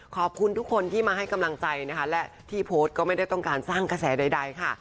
ขอบคุณทุกคนที่มาให้กำลังใจนะคะและที่โพสต์ก็ไม่ได้ต้องการสร้างกระแสใดค่ะ